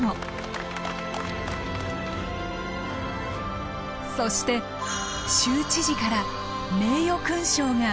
そして州知事から名誉勲章が贈られた。